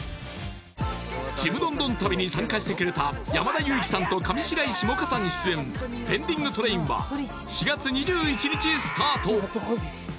ちむどんどん旅に参加してくれた山田裕貴さんと上白石萌歌さん出演「ペンディングトレイン」は４月２１日スタート！